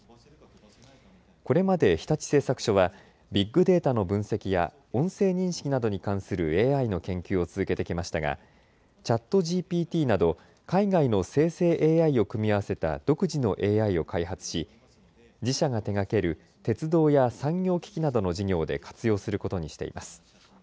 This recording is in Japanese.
これまで日立製作所はビッグデータの分析や音声認識などに関するＡＩの研究を続けてきましたがＣｈａｔＧＰＴなど海外の生成ＡＩを組み合わせた独自のＡＩを開発し自社が手がける鉄道や産業機器などの事業で活用することにしています。